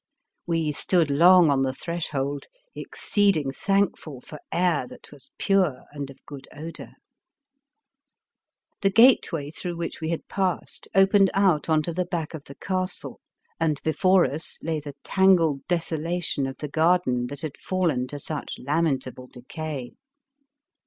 We stood long on the thresh old, exceeding thankful for air that was pure and of good odour. 4 o The Fearsome Island The gateway through which we had passed opened out on to the back of the castle, and before us lay the tan gled desolation of the garden that had fallen to such lamentable decay.